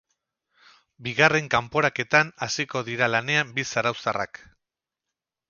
Bigarren kaporaketan hasiko dira lanean bi zarauztarrak.